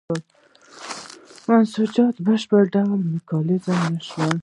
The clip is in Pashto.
منسوجات په بشپړ ډول میکانیزه نه شول.